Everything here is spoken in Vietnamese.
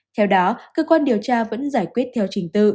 theo đó cơ quan điều tra vẫn giải quyết theo trình tự